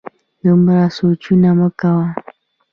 دومره سوچونه مه کوه